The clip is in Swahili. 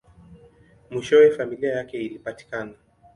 Mwishowe, familia yake ilipatikana.